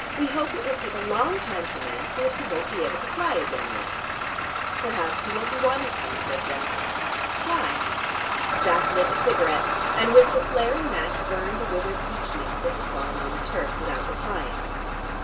We hope it will take a long time to mend, so that he won't be able to fly again yet." "Perhaps he won't be wanted to," said Jack. "Why?" Jack lit a cigarette, and with the flaring match burned a withered beech leaf that had fallen on the turf without replying.